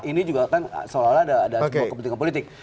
ini juga kan seolah olah ada sebuah kepentingan politik